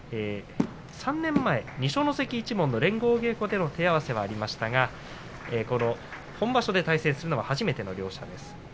３年前、二所ノ関一門の連合稽古での手合わせはありましたが本場所で対戦するのは初めての両者です。